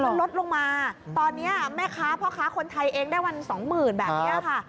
มันลดลงมาตอนนี้แม่ค้าพ่อค้าคนไทยเองได้วันสองหมื่นแบบนี้ค่ะ